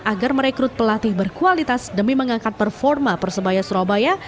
agar merekrut pelatih berkualitas demi mengangkat performa persebaya surabaya